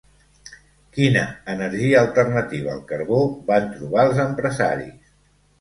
Quina energia alternativa al carbó van trobar els empresaris?